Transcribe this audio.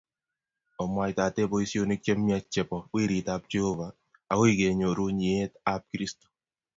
Omwaitate boisonik chemiach chebo Werit ab Jehovah akoi kenyoru nyiet ab Kristo